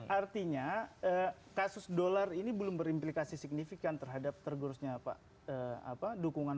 artinya kasus dollar ini belum berimplikasi signifikan terhadap tergurusnya apa apa dukungan